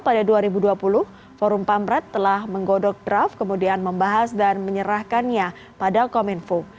pada dua ribu dua puluh forum pamret telah menggodok draft kemudian membahas dan menyerahkannya pada kominfo